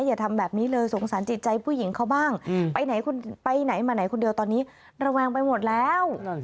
อย่าทำแบบนี้เลยสงสารจิตใจผู้หญิงเขาบ้างไปไหนไปไหนมาไหนคนเดียวตอนนี้ระแวงไปหมดแล้ว